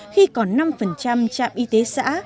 khi còn năm trạm y tế xã